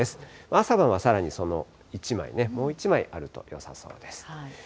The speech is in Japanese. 朝晩はさらにその１枚、もう１枚あるとよさそうです。